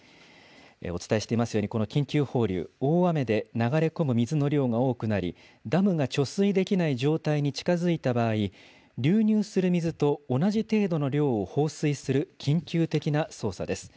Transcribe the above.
お伝えしていますように、この緊急放流、大雨で流れ込む水の量が多くなり、ダムが貯水できない状態に近づいた場合、流入する水と同じ程度の量を放水する緊急的な操作です。